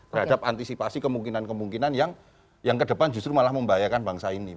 terhadap antisipasi kemungkinan kemungkinan yang ke depan justru malah membahayakan bangsa ini